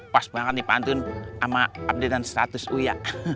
pas berangkat dipantun sama update dan status uya